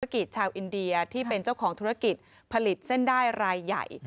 กิจชาวอินเดียที่เป็นเจ้าของธุรกิจผลิตเส้นได้รายใหญ่